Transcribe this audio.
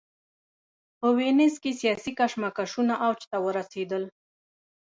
په وینز کې سیاسي کشمکشونه اوج ته ورسېدل.